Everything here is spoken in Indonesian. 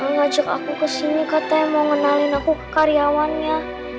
papa ngajak aku kesini katanya mau ngenalin aku ke karyawannya